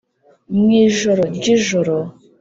mwijoro ryijoro.